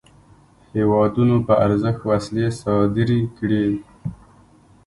هیوادونو په ارزښت وسلې صادري کړې.